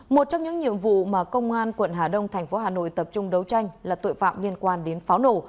một trong những nhiệm vụ mà công an quận hà đông thành phố hà nội tập trung đấu tranh là tội phạm liên quan đến pháo nổ